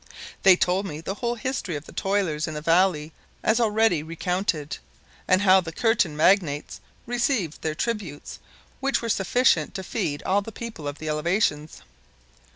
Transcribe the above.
They told me the whole history of the toilers in the valley as already recounted, and how the curtain magnates received their tributes which were sufficient to feed all the people of the elevations.